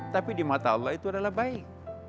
tapi di mata allah itu adalah baik